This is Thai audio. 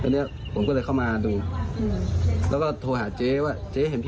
อันนี้ผมก็เลยเข้ามาดูอืมแล้วก็โทรหาเจ๊ว่าเจ๊เห็น